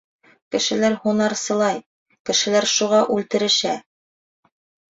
Кешеләр һунарсылай — кешеләр шуға үлте-решә.